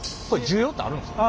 需要ってあるんですか？